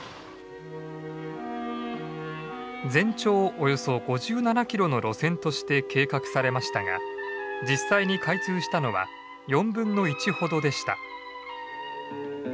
およそ５７キロの路線として計画されましたが実際に開通したのは４分の１ほどでした。